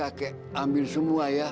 kakek ambil semua ya